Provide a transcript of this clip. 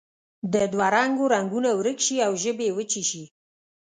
د دوه رنګو رنګونه ورک شي او ژبې یې وچې شي.